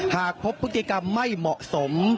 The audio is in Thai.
หากพบพฤติกรรมไม่เหมาะสม